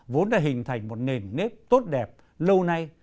vốn đã hình thành một nền nếp tốt đẹp lâu nay